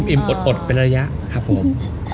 อิ่มอดเป็นระยะครับผม